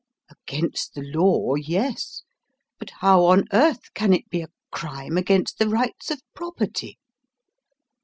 "Against the law, yes; but how on earth can it be a crime against the rights of property?